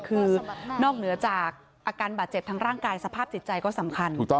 คือนอกเหนือจากอาการบาดเจ็บทางร่างกายสภาพจิตใจก็สำคัญ